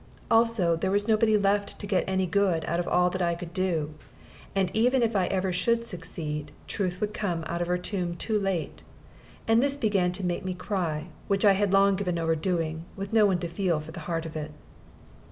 Also that there was nobody left to get any good out of all that I could do; and even if I ever should succeed, truth would come out of her tomb too late. And this began to make me cry, which I had long given over doing, with no one to feel for the heart of it.